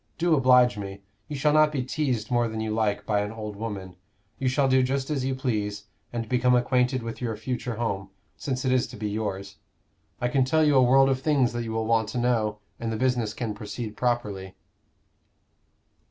Do oblige me: you shall not be teased more than you like by an old woman: you shall do just as you please, and become acquainted with your future home, since it is to be yours. I can tell you a world of things that you will want to know; and the business can proceed properly."